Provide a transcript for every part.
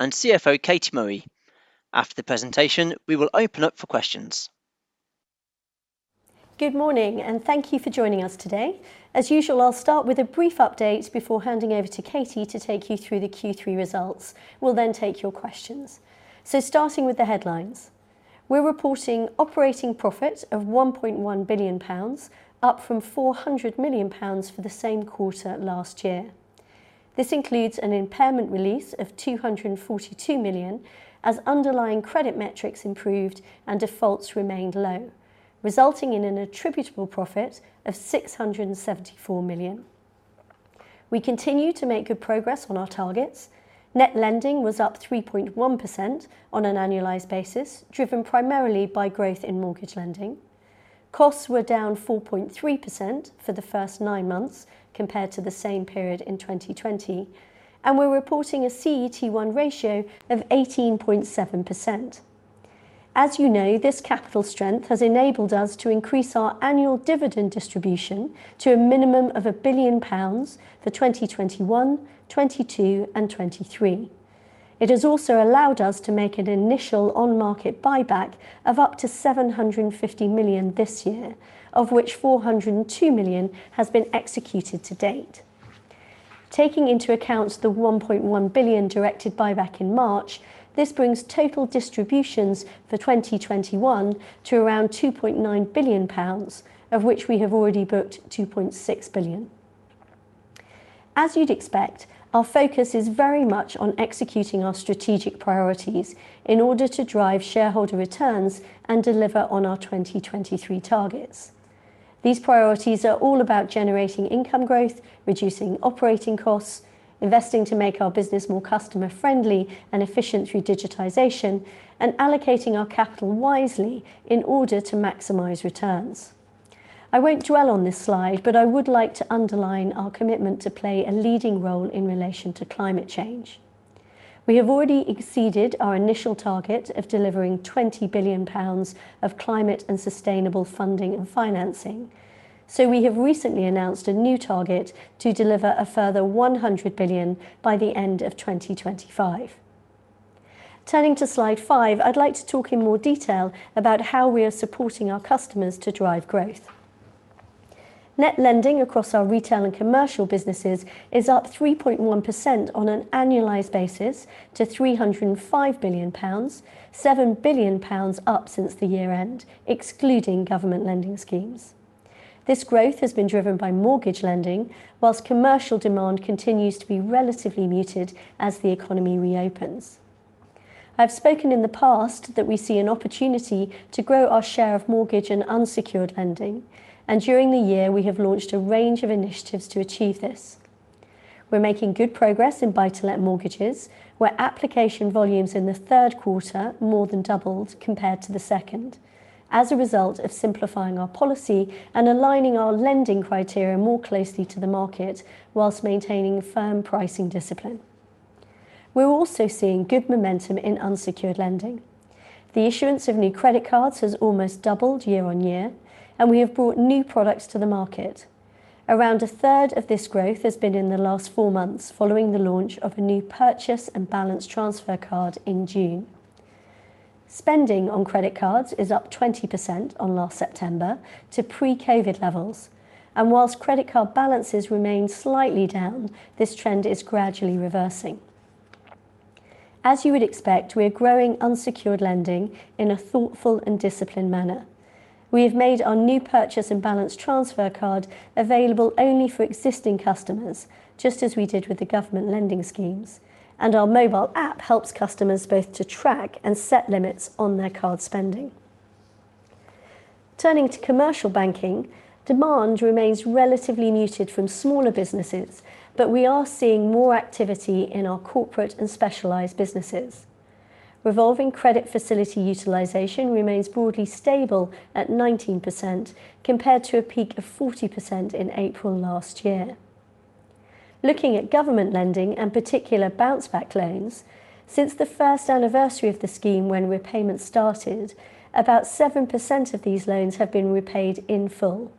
CFO Katie Murray. After the presentation, we will open up for questions. Good morning, and thank you for joining us today. As usual, I'll start with a brief update before handing over to Katie to take you through the Q3 results. We'll then take your questions. Starting with the headlines. We're reporting operating profit of 1.1 billion pounds, up from 400 million pounds for the same quarter last year. This includes an impairment release of 242 million as underlying credit metrics improved and defaults remained low, resulting in an attributable profit of 674 million. We continue to make good progress on our targets. Net lending was up 3.1% on an annualized basis, driven primarily by growth in mortgage lending. Costs were down 4.3% for the first nine months compared to the same period in 2020, and we're reporting a CET1 ratio of 18.7%. As you know, this capital strength has enabled us to increase our annual dividend distribution to a minimum of 1 billion pounds for 2021, 2022 and 2023. It has also allowed us to make an initial on-market buyback of up to 750 million this year, of which 402 million has been executed to date. Taking into account the 1.1 billion directed buyback in March, this brings total distributions for 2021 to around 2.9 billion pounds, of which we have already booked 2.6 billion. As you'd expect, our focus is very much on executing our strategic priorities in order to drive shareholder returns and deliver on our 2023 targets. These priorities are all about generating income growth, reducing operating costs, investing to make our business more customer friendly and efficient through digitization, and allocating our capital wisely in order to maximize returns. I won't dwell on this slide, but I would like to underline our commitment to play a leading role in relation to climate change. We have already exceeded our initial target of delivering 20 billion pounds of climate and sustainable funding and financing. We have recently announced a new target to deliver a further 100 billion by the end of 2025. Turning to slide five, I'd like to talk in more detail about how we are supporting our customers to drive growth. Net lending across our retail and commercial businesses is up 3.1% on an annualized basis to 305 billion pounds, 7 billion pounds up since the year end, excluding government lending schemes. This growth has been driven by mortgage lending, whilst commercial demand continues to be relatively muted as the economy reopens. I've spoken in the past that we see an opportunity to grow our share of mortgage and unsecured lending, and during the year, we have launched a range of initiatives to achieve this. We're making good progress in buy-to-let mortgages, where application volumes in the third quarter more than doubled compared to the second as a result of simplifying our policy and aligning our lending criteria more closely to the market whilst maintaining firm pricing discipline. We're also seeing good momentum in unsecured lending. The issuance of new credit cards has almost doubled year on year, and we have brought new products to the market. Around a third of this growth has been in the last four months following the launch of a new purchase and balance transfer card in June. Spending on credit cards is up 20% on last September to pre-COVID levels, and whilst credit card balances remain slightly down, this trend is gradually reversing. As you would expect, we are growing unsecured lending in a thoughtful and disciplined manner. We have made our new purchase and balance transfer card available only for existing customers, just as we did with the government lending schemes. Our mobile app helps customers both to track and set limits on their card spending. Turning to commercial banking, demand remains relatively muted from smaller businesses, but we are seeing more activity in our corporate and specialized businesses. Revolving credit facility utilization remains broadly stable at 19% compared to a peak of 40% in April last year. Looking at government lending in particular Bounce Back Loans, since the first anniversary of the scheme when repayments started, about 7% of these loans have been repaid in full,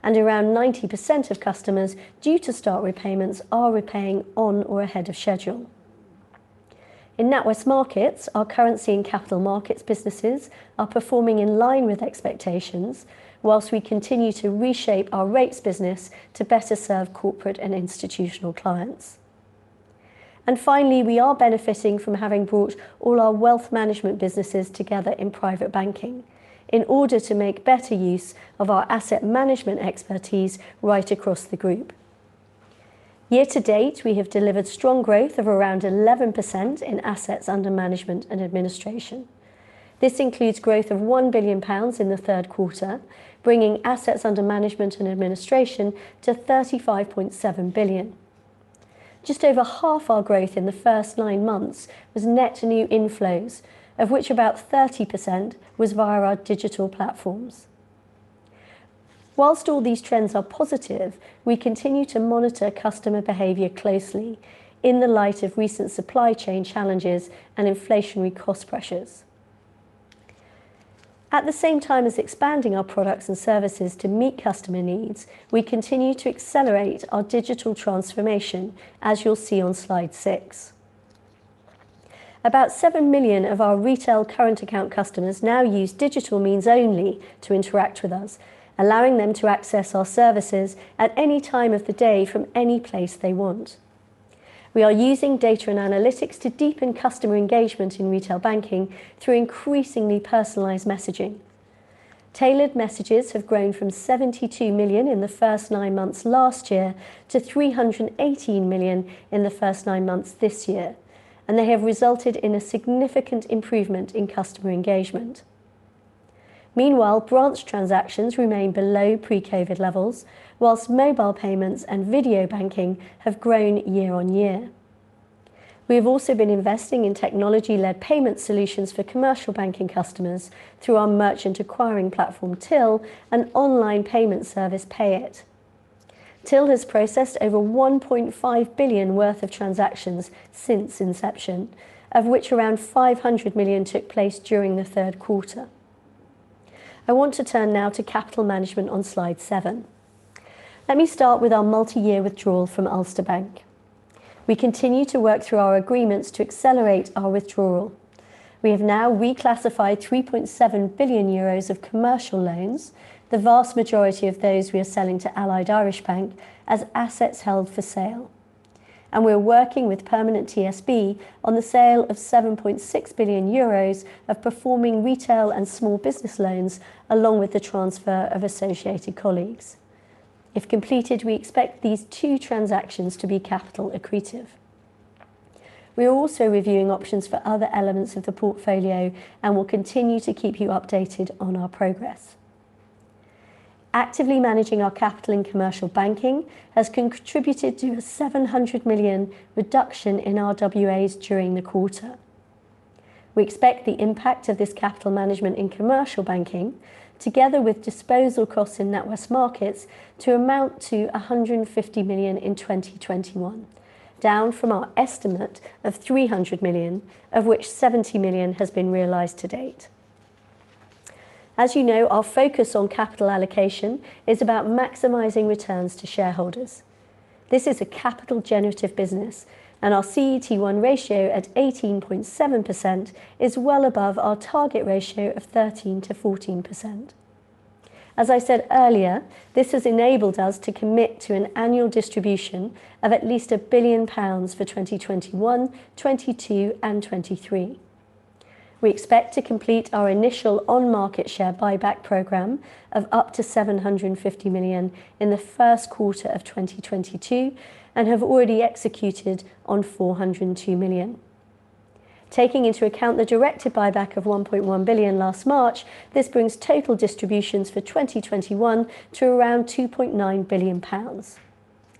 and around 90% of customers due to start repayments are repaying on or ahead of schedule. In NatWest Markets, our currency and capital markets businesses are performing in line with expectations while we continue to reshape our rates business to better serve corporate and institutional clients. Finally, we are benefiting from having brought all our wealth management businesses together in private banking in order to make better use of our asset management expertise right across the group. Year to date, we have delivered strong growth of around 11% in assets under management and administration. This includes growth of 1 billion pounds in the third quarter, bringing assets under management and administration to 35.7 billion. Just over half our growth in the first nine months was net new inflows, of which about 30% was via our digital platforms. While all these trends are positive, we continue to monitor customer behavior closely in the light of recent supply chain challenges and inflationary cost pressures. At the same time as expanding our products and services to meet customer needs, we continue to accelerate our digital transformation as you'll see on slide six. About 7 million of our retail current account customers now use digital means only to interact with us, allowing them to access our services at any time of the day from any place they want. We are using data and analytics to deepen customer engagement in retail banking through increasingly personalized messaging. Tailored messages have grown from 72 million in the first nine months last year to 318 million in the first nine months this year, and they have resulted in a significant improvement in customer engagement. Meanwhile, branch transactions remain below pre-COVID levels, while mobile payments and video banking have grown year-on-year. We have also been investing in technology-led payment solutions for commercial banking customers through our merchant acquiring platform Tyl and online payment service Payit. Tyl has processed over 1.5 billion worth of transactions since inception, of which around 500 million took place during the third quarter. I want to turn now to capital management on slide seven. Let me start with our multi-year withdrawal from Ulster Bank. We continue to work through our agreements to accelerate our withdrawal. We have now reclassified 3.7 billion euros of commercial loans. The vast majority of those we are selling to Allied Irish Banks as assets held for sale. We're working with Permanent TSB on the sale of 7.6 billion euros of performing retail and small business loans, along with the transfer of associated colleagues. If completed, we expect these two transactions to be capital accretive. We are also reviewing options for other elements of the portfolio and will continue to keep you updated on our progress. Actively managing our capital and commercial banking has contributed to a 700 million reduction in RWAs during the quarter. We expect the impact of this capital management in commercial banking, together with disposal costs in NatWest Markets, to amount to 150 million in 2021, down from our estimate of 300 million, of which 70 million has been realized to date. As you know, our focus on capital allocation is about maximizing returns to shareholders. This is a capital generative business, and our CET1 ratio at 18.7% is well above our target ratio of 13%-14%. As I said earlier, this has enabled us to commit to an annual distribution of at least 1 billion pounds for 2021, 2022, and 2023. We expect to complete our initial on-market share buyback program of up to 750 million in the first quarter of 2022 and have already executed on 402 million. Taking into account the directed buyback of 1.1 billion last March, this brings total distributions for 2021 to around 2.9 billion pounds.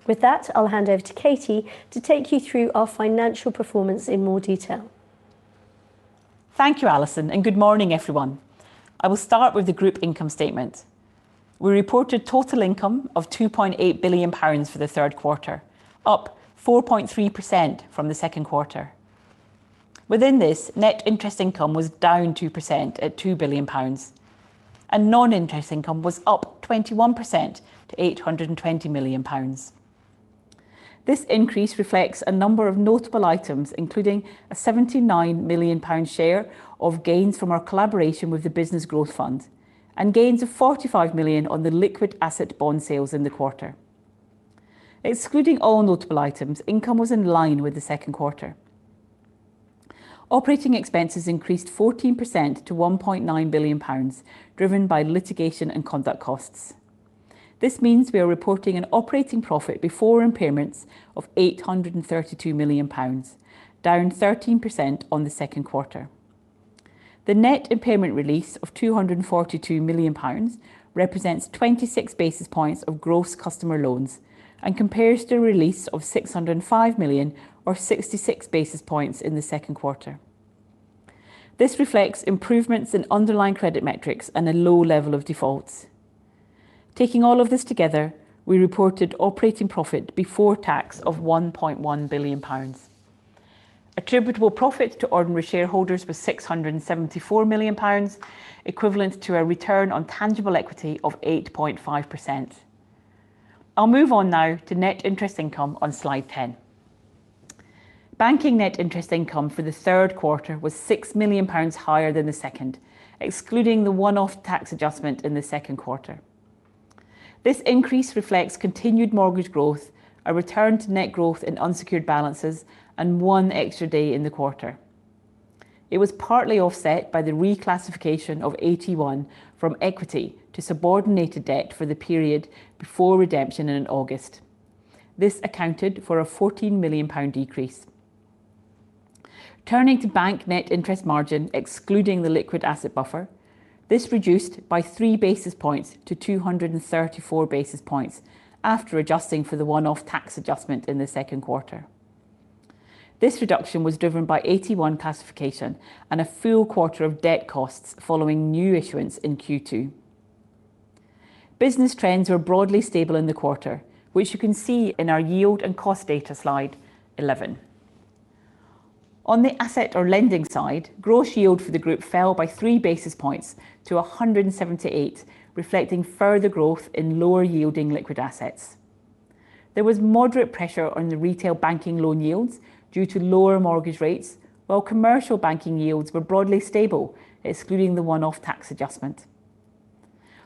With that, I'll hand over to Katie to take you through our financial performance in more detail. Thank you, Alison, and good morning, everyone. I will start with the group income statement. We reported total income of 2.8 billion pounds for the third quarter, up 4.3% from the second quarter. Within this, net interest income was down 2% at 2 billion pounds, and non-interest income was up 21% to 820 million pounds. This increase reflects a number of notable items, including a 79 million pound share of gains from our collaboration with the Business Growth Fund and gains of 45 million on the liquid asset bond sales in the quarter. Excluding all notable items, income was in line with the second quarter. Operating expenses increased 14% to 1.9 billion pounds, driven by litigation and conduct costs. This means we are reporting an operating profit before impairments of 832 million pounds, down 13% on the second quarter. The net impairment release of 242 million pounds represents 26 basis points of gross customer loans and compares to a release of 605 million or 66 basis points in the second quarter. This reflects improvements in underlying credit metrics and a low level of defaults. Taking all of this together, we reported operating profit before tax of 1.1 billion pounds. Attributable profit to ordinary shareholders was 674 million pounds, equivalent to a return on tangible equity of 8.5%. I'll move on now to net interest income on slide 10. Banking net interest income for the third quarter was 6 million pounds higher than the second, excluding the one-off tax adjustment in the second quarter. This increase reflects continued mortgage growth, a return to net growth in unsecured balances, and 1 extra day in the quarter. It was partly offset by the reclassification of AT1 from equity to subordinated debt for the period before redemption in August. This accounted for a 14 million pound decrease. Turning to bank net interest margin, excluding the liquid asset buffer, this reduced by 3 basis points to 234 basis points after adjusting for the one-off tax adjustment in the second quarter. This reduction was driven by AT1 classification and a full quarter of debt costs following new issuance in Q2. Business trends were broadly stable in the quarter, which you can see in our yield and cost data, slide 11. On the asset or lending side, gross yield for the group fell by 3 basis points to 178, reflecting further growth in lower yielding liquid assets. There was moderate pressure on the retail banking loan yields due to lower mortgage rates, while commercial banking yields were broadly stable, excluding the one-off tax adjustment.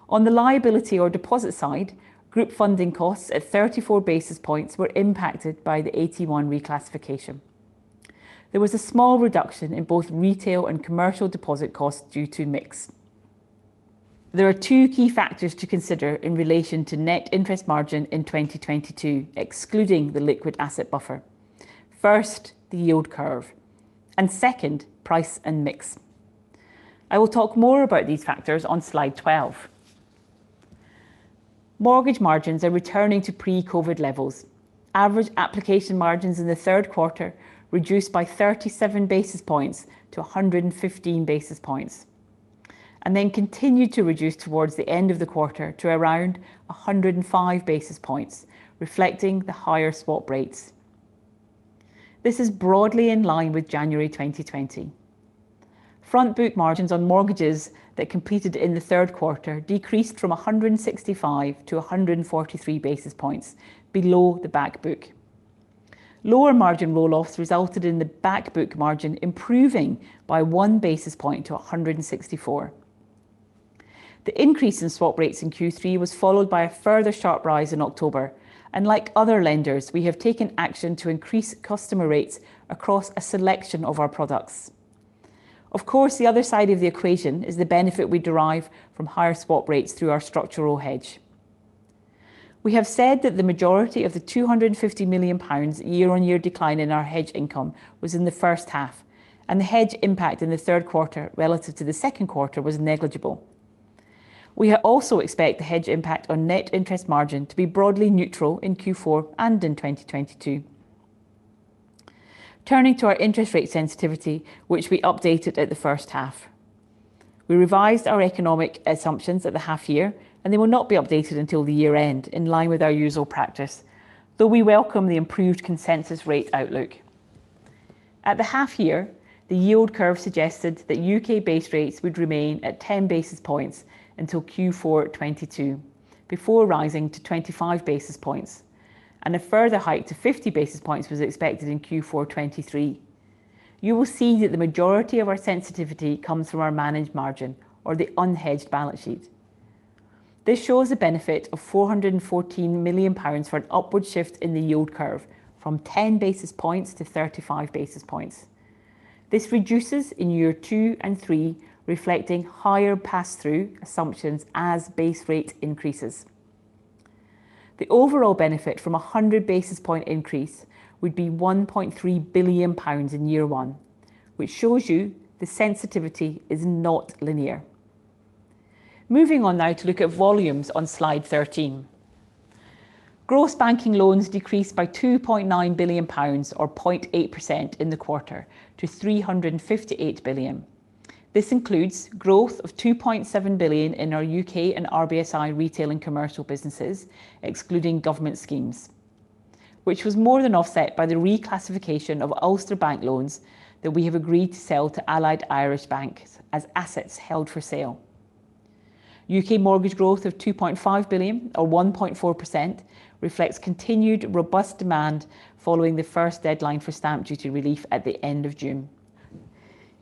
On the liability or deposit side, group funding costs at 34 basis points were impacted by the AT1 reclassification. There was a small reduction in both retail and commercial deposit costs due to mix. There are two key factors to consider in relation to net interest margin in 2022, excluding the liquid asset buffer. First, the yield curve, and second, price and mix. I will talk more about these factors on slide 12. Mortgage margins are returning to pre-COVID levels. Average application margins in the third quarter reduced by 37 basis points to 115 basis points, and then continued to reduce towards the end of the quarter to around 105 basis points, reflecting the higher swap rates. This is broadly in line with January 2020. Front book margins on mortgages that completed in the third quarter decreased from 165-143 basis points below the back book. Lower margin roll-offs resulted in the back book margin improving by one basis point to 164. The increase in swap rates in Q3 was followed by a further sharp rise in October, and like other lenders, we have taken action to increase customer rates across a selection of our products. Of course, the other side of the equation is the benefit we derive from higher swap rates through our structural hedge. We have said that the majority of the 250 million pounds year-on-year decline in our hedge income was in the first half, and the hedge impact in the third quarter relative to the second quarter was negligible. We also expect the hedge impact on net interest margin to be broadly neutral in Q4 and in 2022. Turning to our interest rate sensitivity, which we updated at the first half, we revised our economic assumptions at the half year, and they will not be updated until the year-end, in line with our usual practice, though we welcome the improved consensus rate outlook. At the half year, the yield curve suggested that UK base rates would remain at 10 basis points until Q4 2022 before rising to 25 basis points, and a further hike to 50 basis points was expected in Q4 2023. You will see that the majority of our sensitivity comes from our managed margin or the unhedged balance sheet. This shows a benefit of 414 million pounds for an upward shift in the yield curve from 10 basis points to 35 basis points. This reduces in year two and three, reflecting higher pass-through assumptions as base rate increases. The overall benefit from a 100 basis point increase would be 1.3 billion pounds in year one, which shows you the sensitivity is not linear. Moving on now to look at volumes on slide 13. Gross banking loans decreased by 2.9 billion pounds or 0.8% in the quarter to 358 billion. This includes growth of 2.7 billion in our UK and RBSI retail and commercial businesses, excluding government schemes, which was more than offset by the reclassification of Ulster Bank loans that we have agreed to sell to Allied Irish Banks as assets held for sale. UK mortgage growth of 2.5 billion or 1.4% reflects continued robust demand following the first deadline for stamp duty relief at the end of June.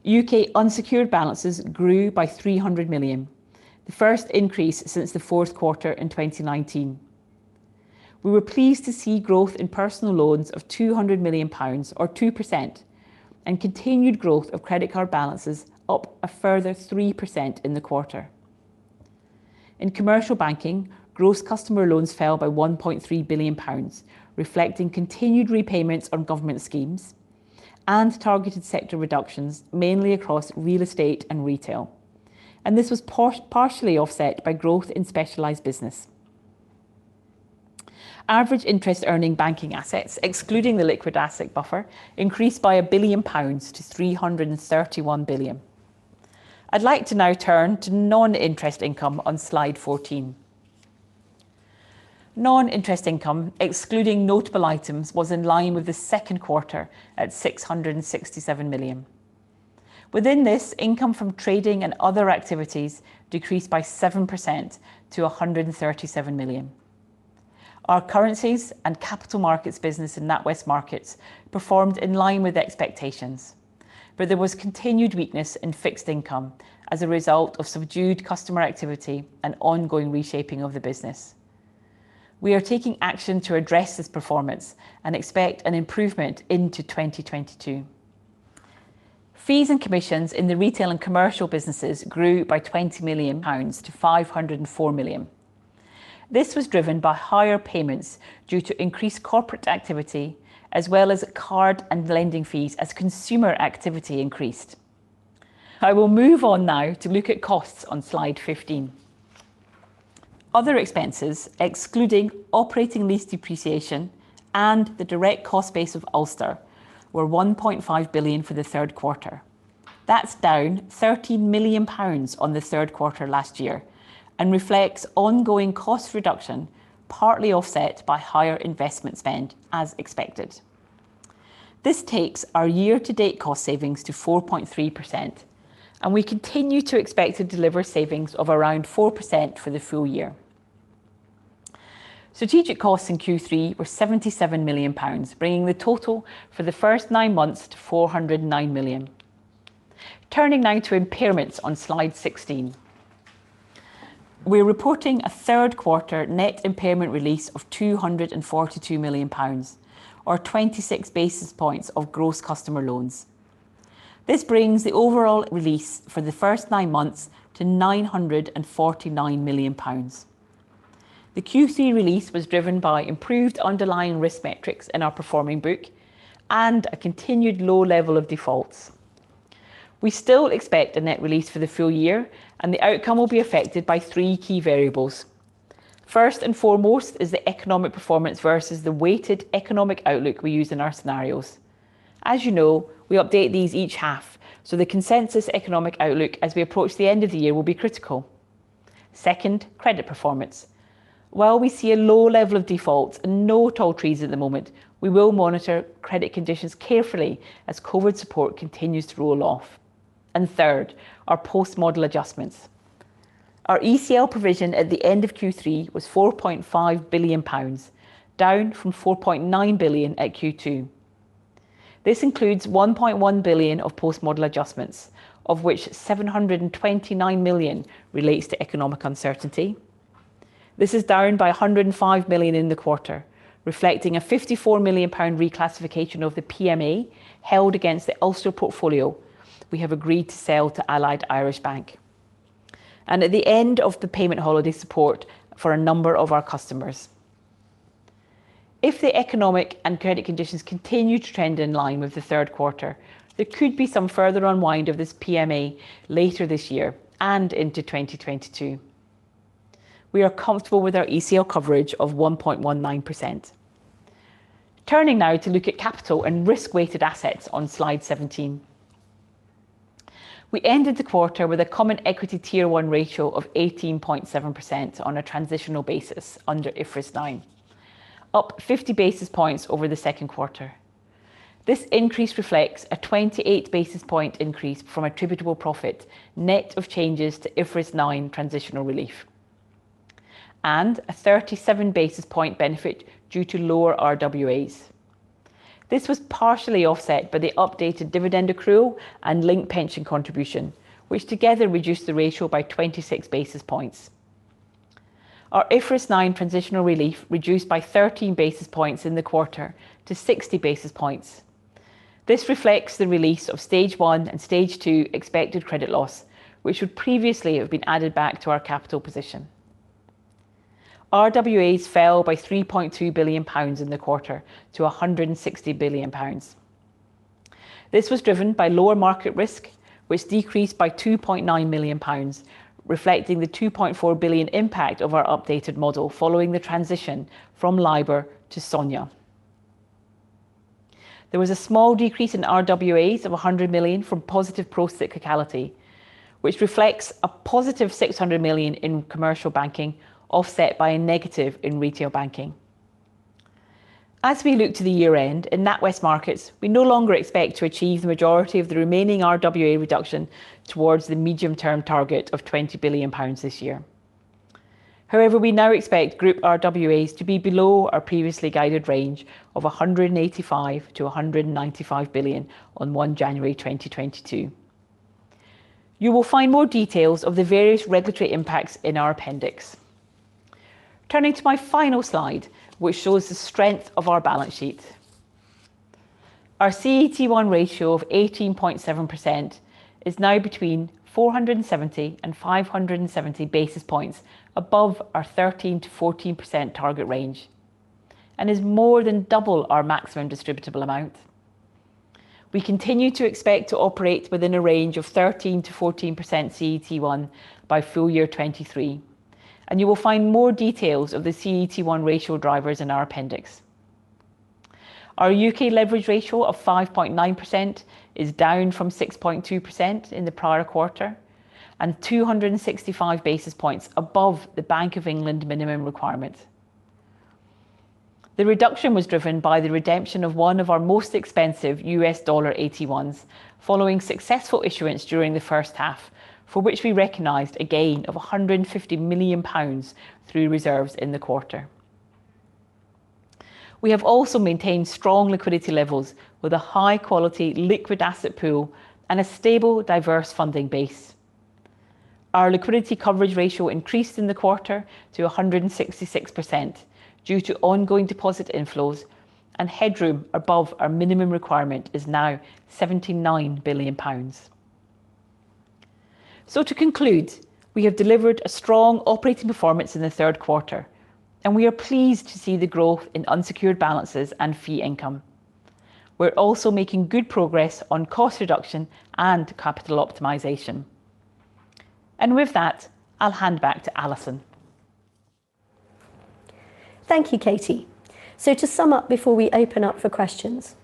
UK unsecured balances grew by 300 million, the first increase since the fourth quarter in 2019. We were pleased to see growth in personal loans of 200 million pounds or 2% and continued growth of credit card balances up a further 3% in the quarter. In commercial banking, gross customer loans fell by 1.3 billion pounds, reflecting continued repayments on government schemes and targeted sector reductions, mainly across real estate and retail. This was partially offset by growth in specialized business. Average interest earning banking assets, excluding the liquid asset buffer, increased by 1 billion pounds to 331 billion. I'd like to now turn to non-interest income on slide 14. Non-interest income, excluding notable items, was in line with the second quarter at 667 million. Within this, income from trading and other activities decreased by 7% to 137 million. Our currencies and capital markets business in NatWest Markets performed in line with expectations, but there was continued weakness in fixed income as a result of subdued customer activity and ongoing reshaping of the business. We are taking action to address this performance and expect an improvement into 2022. Fees and commissions in the retail and commercial businesses grew by 20 million pounds to 504 million. This was driven by higher payments due to increased corporate activity as well as card and lending fees as consumer activity increased. I will move on now to look at costs on slide 15. Other expenses, excluding operating lease depreciation and the direct cost base of Ulster, were 1.5 billion for the third quarter. That's down 30 million pounds on the third quarter last year and reflects ongoing cost reduction, partly offset by higher investment spend as expected. This takes our year-to-date cost savings to 4.3%, and we continue to expect to deliver savings of around 4% for the full year. Strategic costs in Q3 were 77 million pounds, bringing the total for the first 9 months to 409 million. Turning now to impairments on slide 16. We're reporting a third-quarter net impairment release of 242 million pounds or 26 basis points of gross customer loans. This brings the overall release for the first 9 months to 949 million pounds. The Q3 release was driven by improved underlying risk metrics in our performing book and a continued low level of defaults. We still expect a net release for the full year, and the outcome will be affected by three key variables. First and foremost is the economic performance versus the weighted economic outlook we use in our scenarios. As you know, we update these each half, so the consensus economic outlook as we approach the end of the year will be critical. Second, credit performance. While we see a low level of defaults and no tall trees at the moment, we will monitor credit conditions carefully as COVID support continues to roll off. Third, our post-model adjustments. Our ECL provision at the end of Q3 was 4.5 billion pounds, down from 4.9 billion at Q2. This includes 1.1 billion of post-model adjustments, of which 729 million relates to economic uncertainty. This is down by 105 million in the quarter, reflecting a 54 million pound reclassification of the PMA held against the Ulster portfolio we have agreed to sell to Allied Irish Banks. At the end of the payment holiday support for a number of our customers. If the economic and credit conditions continue to trend in line with the third quarter, there could be some further unwind of this PMA later this year and into 2022. We are comfortable with our ECL coverage of 1.19%. Turning now to look at capital and risk-weighted assets on slide 17. We ended the quarter with a common equity tier one ratio of 18.7% on a transitional basis under IFRS 9, up 50 basis points over the second quarter. This increase reflects a 28 basis point increase from attributable profit net of changes to IFRS 9 transitional relief and a 37 basis point benefit due to lower RWAs. This was partially offset by the updated dividend accrual and linked pension contribution, which together reduced the ratio by 26 basis points. Our IFRS 9 transitional relief reduced by 13 basis points in the quarter to 60 basis points. This reflects the release of stage one and stage two expected credit loss, which would previously have been added back to our capital position. RWAs fell by 3.2 billion pounds in the quarter to 160 billion pounds. This was driven by lower market risk, which decreased by 2.9 billion pounds, reflecting the 2.4 billion impact of our updated model following the transition from LIBOR to SONIA. There was a small decrease in RWAs of 100 million from positive procyclicality, which reflects a positive 600 million in commercial banking, offset by a negative in retail banking. As we look to the year-end, in NatWest Markets, we no longer expect to achieve the majority of the remaining RWA reduction towards the medium-term target of 20 billion pounds this year. However, we now expect group RWAs to be below our previously guided range of 185 billion-195 billion on 1 January 2022. You will find more details of the various regulatory impacts in our appendix. Turning to my final slide, which shows the strength of our balance sheet. Our CET1 ratio of 18.7% is now between 470 and 570 basis points above our 13%-14% target range and is more than double our maximum distributable amount. We continue to expect to operate within a range of 13%-14% CET1 by full year 2023, and you will find more details of the CET1 ratio drivers in our appendix. Our UK leverage ratio of 5.9% is down from 6.2% in the prior quarter and 265 basis points above the Bank of England minimum requirement. The reduction was driven by the redemption of one of our most expensive US dollar AT1s following successful issuance during the first half, for which we recognized a gain of 150 million pounds through reserves in the quarter. We have also maintained strong liquidity levels with a high-quality liquid asset pool and a stable, diverse funding base. Our liquidity coverage ratio increased in the quarter to 166% due to ongoing deposit inflows, and headroom above our minimum requirement is now 79 billion pounds. To conclude, we have delivered a strong operating performance in the third quarter, and we are pleased to see the growth in unsecured balances and fee income. We're also making good progress on cost reduction and capital optimization. With that, I'll hand back to Alison. Thank you, Katie. To sum up before we open up for questions.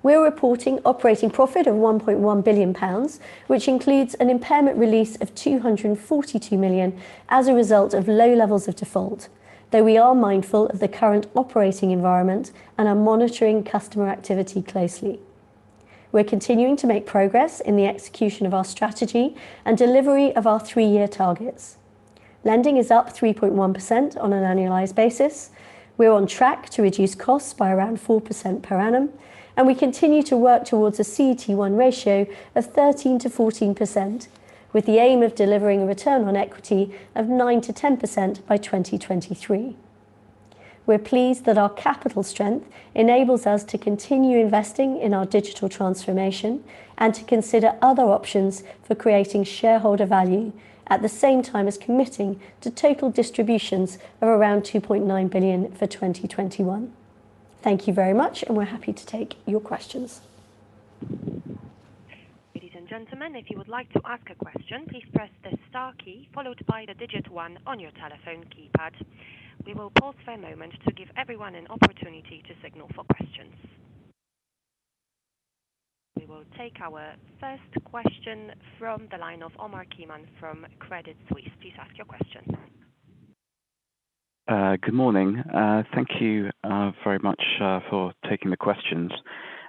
We're reporting operating profit of 1.1 billion pounds, which includes an impairment release of 242 million as a result of low levels of default. Though we are mindful of the current operating environment and are monitoring customer activity closely. We're continuing to make progress in the execution of our strategy and delivery of our three-year targets. Lending is up 3.1% on an annualized basis. We're on track to reduce costs by around 4% per annum, and we continue to work towards a CET1 ratio of 13%-14% with the aim of delivering a return on equity of 9%-10% by 2023. We're pleased that our capital strength enables us to continue investing in our digital transformation and to consider other options for creating shareholder value at the same time as committing to total distributions of around 2.9 billion for 2021. Thank you very much, and we're happy to take your questions. Ladies and gentlemen, if you would like to ask a question, please press the star key followed by the digit one on your telephone keypad. We will pause for a moment to give everyone an opportunity to signal for questions. We will take our first question from the line of Omar Keenan from Credit Suisse. Please ask your question. Good morning. Thank you very much for taking the questions.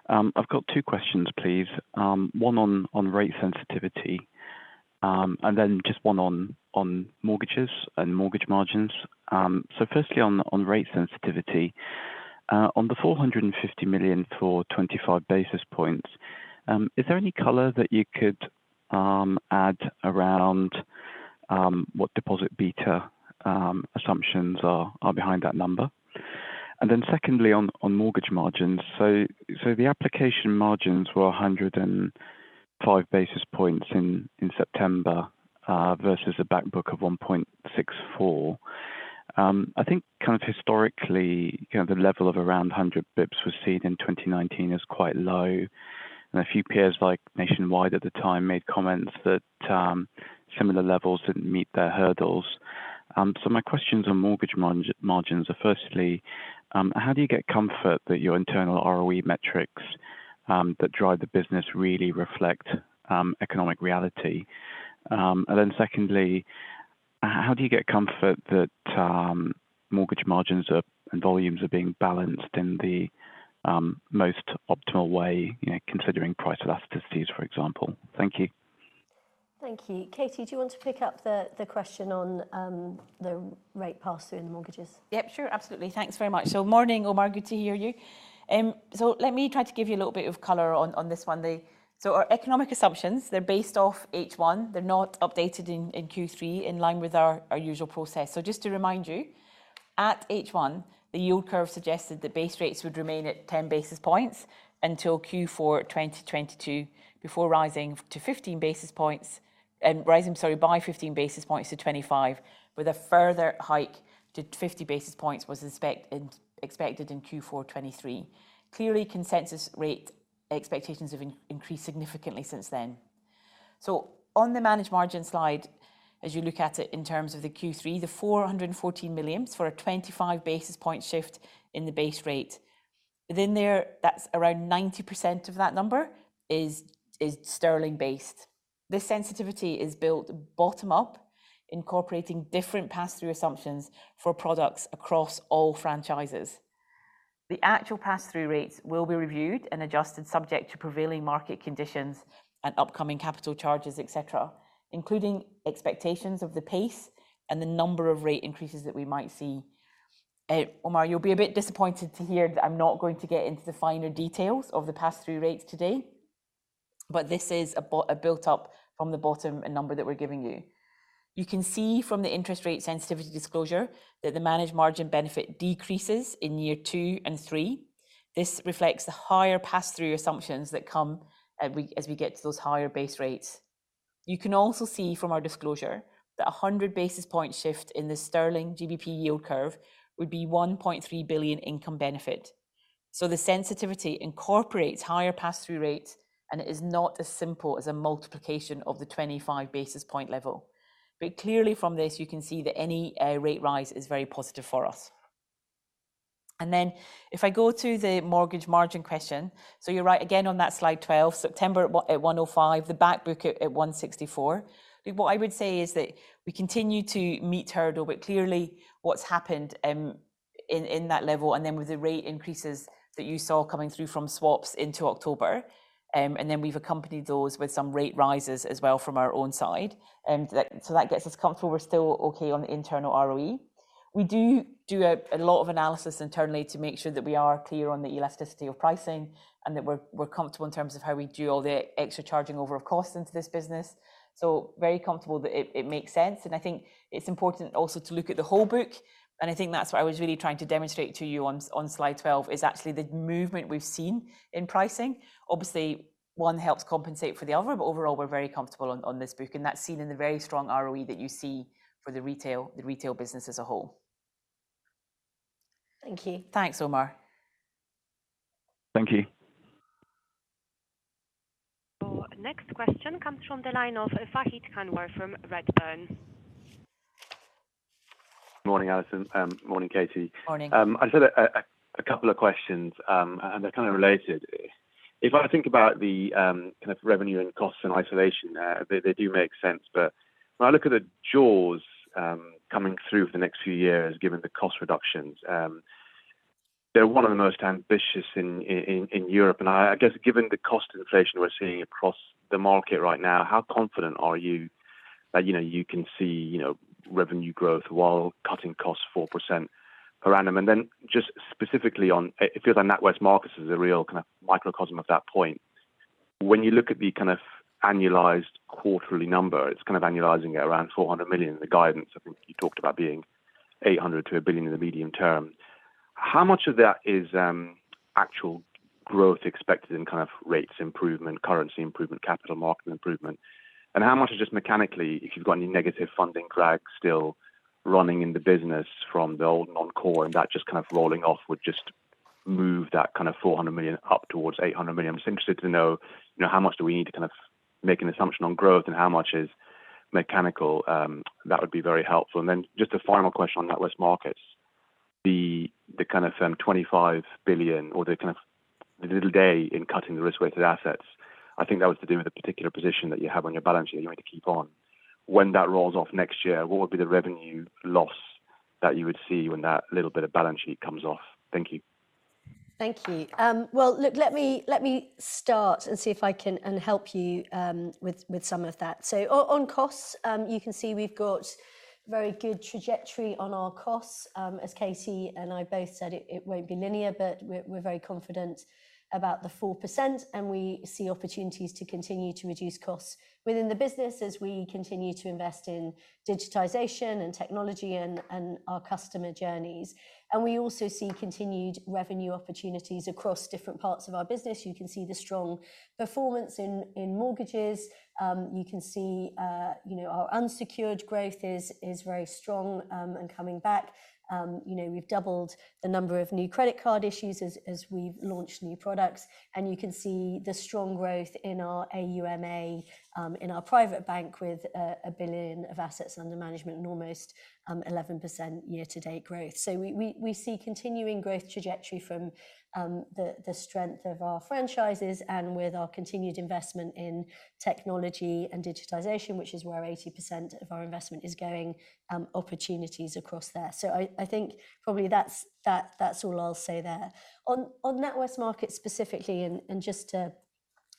I've got two questions, please. One on rate sensitivity, and then just one on mortgages and mortgage margins. So firstly on rate sensitivity, on the 450 million for 25 basis points, is there any color that you could add around what deposit beta assumptions are behind that number? And then secondly, on mortgage margins. So the application margins were 105 basis points in September versus a back book of 1.64. I think kind of historically, you know, the level of around 100 bps was seen in 2019 as quite low. A few peers, like Nationwide at the time, made comments that similar levels didn't meet their hurdles. My questions on mortgage margins are firstly, how do you get comfort that your internal ROE metrics that drive the business really reflect economic reality? Secondly, how do you get comfort that mortgage margins and volumes are being balanced in the most optimal way, you know, considering price elasticities, for example. Thank you. Thank you. Katie, do you want to pick up the question on the rate pass-through in the mortgages? Yep, sure. Absolutely. Thanks very much. Morning, Omar. Good to hear you. Let me try to give you a little bit of color on this one. Our economic assumptions, they're based off H1. They're not updated in Q3 in line with our usual process. Just to remind you, at H1, the yield curve suggested that base rates would remain at 10 basis points until Q4 2022, before rising by 15 basis points to 25, with a further hike to 50 basis points was expected in Q4 2023. Clearly, consensus rate expectations have increased significantly since then. On the managed margin slide, as you look at it in terms of the Q3, the 414 million for a 25 basis point shift in the base rate. Within there, that's around 90% of that number is sterling-based. This sensitivity is built bottom up, incorporating different pass-through assumptions for products across all franchises. The actual pass-through rates will be reviewed and adjusted subject to prevailing market conditions and upcoming capital charges, et cetera, including expectations of the pace and the number of rate increases that we might see. Omar, you'll be a bit disappointed to hear that I'm not going to get into the finer details of the pass-through rates today, but this is a built-up from the bottom number that we're giving you. You can see from the interest rate sensitivity disclosure that the managed margin benefit decreases in year two and three. This reflects the higher pass-through assumptions that come as we get to those higher base rates. You can also see from our disclosure that a 100 basis point shift in the sterling GBP yield curve would be 1.3 billion income benefit. The sensitivity incorporates higher pass-through rates, and it is not as simple as a multiplication of the 25 basis point level. But clearly from this you can see that any rate rise is very positive for us. If I go to the mortgage margin question, you're right again on that slide 12, September at 105, the back book at 164. What I would say is that we continue to meet hurdle, but clearly what's happened in that level and then with the rate increases that you saw coming through from swaps into October, and then we've accompanied those with some rate rises as well from our own side. So that gets us comfortable. We're still okay on the internal ROE. We do a lot of analysis internally to make sure that we are clear on the elasticity of pricing and that we're comfortable in terms of how we do all the extra charging over of costs into this business. So very comfortable that it makes sense. I think it's important also to look at the whole book, and I think that's what I was really trying to demonstrate to you on slide 12, is actually the movement we've seen in pricing. Obviously, one helps compensate for the other, but overall we're very comfortable on this book, and that's seen in the very strong ROE that you see for the retail business as a whole. Thank you. Thanks, Omar. Thank you. Next question comes from the line of Fahed Kunwar from Redburn. Morning, Alison. Morning, Katie. Morning. I just had a couple of questions, and they're kind of related. If I think about the kind of revenue and costs in isolation, they do make sense. When I look at the jaws coming through for the next few years, given the cost reductions, they're one of the most ambitious in Europe. I guess given the cost inflation we're seeing across the market right now, how confident are you that, you know, you can see, you know, revenue growth while cutting costs 4% per annum? Just specifically on it feels like NatWest Markets is a real kind of microcosm of that point. When you look at the kind of annualized quarterly number, it's kind of annualizing it around 400 million. The guidance, I think, you talked about being 800 million-1 billion in the medium term. How much of that is actual growth expected in kind of rates improvement, currency improvement, capital market improvement? How much is just mechanically, if you've got any negative funding lag still running in the business from the old non-core, and that just kind of rolling off would just move that kind of 400 million up towards 800 million. I'm just interested to know, you know, how much do we need to kind of make an assumption on growth and how much is mechanical? That would be very helpful. Just a final question on NatWest Markets. The kind of 25 billion or the kind of the liquidity in cutting the risk-weighted assets, I think that was to do with a particular position that you have on your balance sheet you're going to keep on. When that rolls off next year, what would be the revenue loss that you would see when that little bit of balance sheet comes off? Thank you. Thank you. Well, look, let me start and see if I can help you with some of that. On costs, you can see we've got very good trajectory on our costs. As Katie and I both said, it won't be linear, but we're very confident about the 4%, and we see opportunities to continue to reduce costs within the business as we continue to invest in digitization and technology and our customer journeys. We also see continued revenue opportunities across different parts of our business. You can see the strong performance in mortgages. You can see, you know, our unsecured growth is very strong and coming back. You know, we've doubled the number of new credit card issues as we've launched new products, and you can see the strong growth in our AUMA in our private bank with 1 billion of assets under management and almost 11% year-to-date growth. We see continuing growth trajectory from the strength of our franchises and with our continued investment in technology and digitization, which is where 80% of our investment is going, opportunities across there. I think probably that's all I'll say there. On NatWest Markets specifically and just to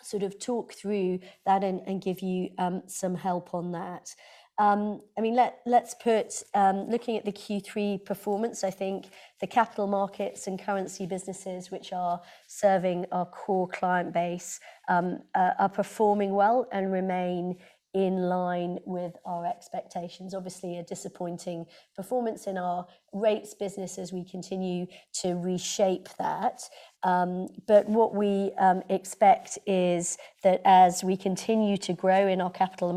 sort of talk through that and give you some help on that. I mean, looking at the Q3 performance, I think the capital markets and currency businesses which are serving our core client base are performing well and remain in line with our expectations. Obviously, a disappointing performance in our rates business as we continue to reshape that. What we expect is that as we continue to grow in our capital-